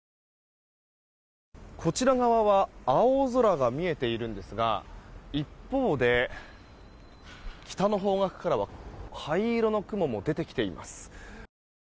こちら側は青空が見えているんですが一方で、北の方角からは灰色の雲も出てきています。